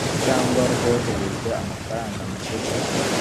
cyangwa hoherejwe amafaranga make cyane